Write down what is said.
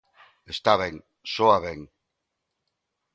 Está ben, soa ben.